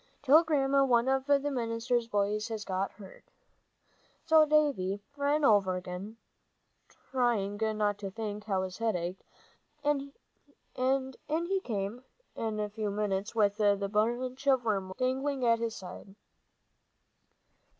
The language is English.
Tell Grandma one of the minister's boys has got hurt." So Davie ran over again, trying not to think how his head ached, and in he came in a few minutes with the bunch of wormwood dangling at his side.